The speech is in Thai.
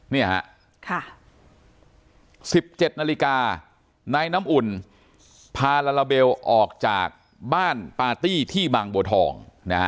นี่ฮะ๑๗นาฬิกานายน้ำอุ่นพาลาลาเบลออกจากบ้านปาร์ตี้ที่บางบัวทอง